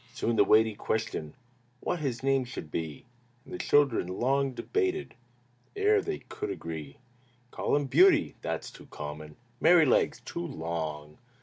Soon arose the weighty question What his name should be, And the children long debated Ere they could agree. "Call him 'Beauty.'" "That's too common!" "Merrylegs." "Too long!"